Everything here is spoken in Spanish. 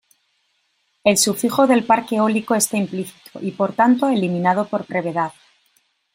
El sufijo del parque eólico está implícito y, por tanto, eliminado por brevedad.